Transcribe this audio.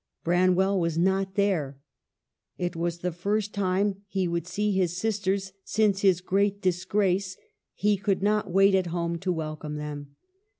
Branwell was not there. It was the first time he would see his sisters since his great disgrace; he could not wait at home to welcome them.